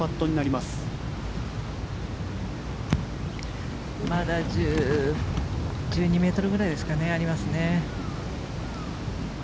まだ１２ｍぐらいですかねありますね。